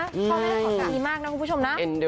ขอบคุณมากนะคุณผู้ชมนะ